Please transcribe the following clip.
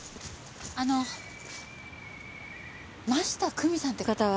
あの真下久美さんって方は。